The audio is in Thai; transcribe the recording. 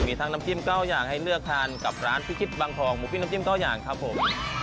มีทั้งน้ำจิ้ม๙อย่างให้เลือกทานกับร้านพิจิตบางทองหมูปิ้งน้ำจิ้ม๙อย่างครับผม